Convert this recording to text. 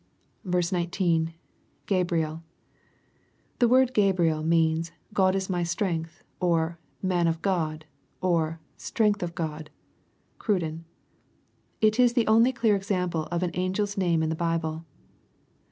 19. — [Gabrid.] The word Gabriel means "God is my strength," or "Man of God," or "strength of God." (Crtiden,) It is the only clear example of an angel's name in the Bible.